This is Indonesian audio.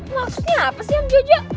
maksudnya apa sih yang jojo